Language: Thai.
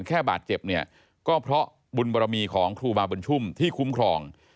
แค่บาดเจ็บเนี่ยก็เพราะบุญบรมีของครูบาบุญชุ่มที่คุ้มครอง